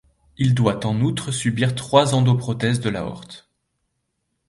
Il doit en outre subir trois endoprothèses de l'aorte.